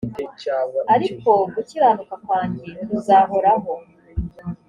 ariko gukiranuka kwanjye kuzahoraho